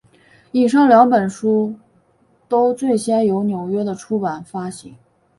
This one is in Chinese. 以上两本书都最先由纽约的出版发行。